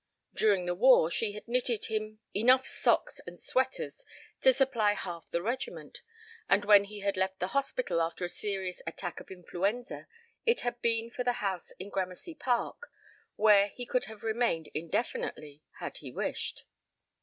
During the war she had knitted him enough socks and sweaters to supply half his regiment; and when he had left the hospital after a serious attack of influenza it had been for the house in Gramercy Park, where he could have remained indefinitely had he wished.